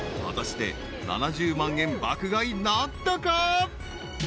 ［果たして７０万円爆買いなったか？］